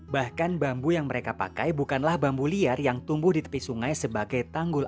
bahkan bambu yang mereka pakai bukanlah bambu liar yang tumbuh di tepi sungai sebagai tanggul